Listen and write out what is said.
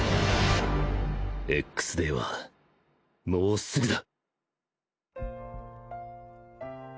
Ｘ デーはもうすぐだ